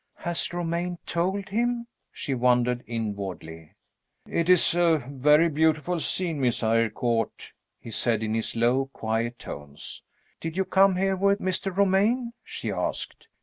"Has Romayne told him?" she wondered inwardly. "It is a very beautiful scene, Miss Eyrecourt," he said, in his low quiet tones. "Did you come here with Mr. Romayne?" she asked.